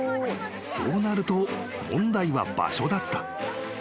［そうなると問題は場所だった］